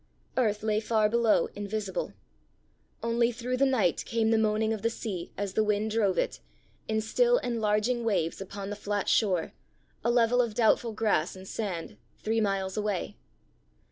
Earth lay far below, invisible; only through the night came the moaning of the sea, as the wind drove it, in still enlarging waves, upon the flat shore, a level of doubtful grass and sand, three miles away.